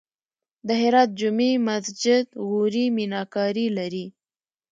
د هرات جمعې مسجد غوري میناکاري لري